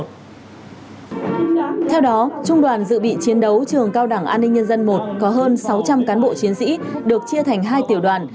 theo đó trung đoàn dự bị chiến đấu trường cao đảng an ninh nhân dân i có hơn sáu trăm linh cán bộ chiến sĩ được chia thành hai tiểu đoàn